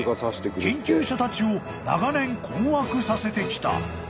［研究者たちを長年困惑させてきた］